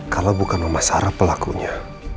kalau bukan mama sarah pelakunya